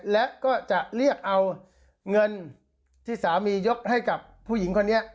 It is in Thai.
และก็จะเรียกเอาเงินที่สามียกให้กับผู้หญิงคนนี้